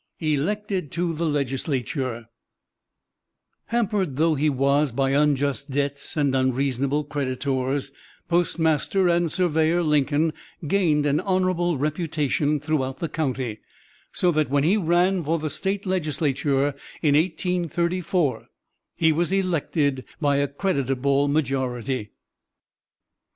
ELECTED TO THE LEGISLATURE Hampered though he was by unjust debts and unreasonable creditors, Postmaster and Surveyor Lincoln gained an honorable reputation throughout the county, so that when he ran for the State Legislature, in 1834, he was elected by a creditable majority.